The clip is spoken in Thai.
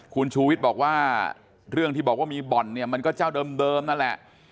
คุณชูวิทย์บอกว่าเรื่องที่บอกว่ามีบ่อนเนี่ยมันก็เจ้าเดิมนั่นแหละ